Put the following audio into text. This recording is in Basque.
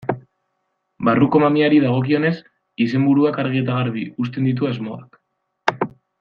Barruko mamiari dagokionez, izenburuak argi eta garbi uzten ditu asmoak.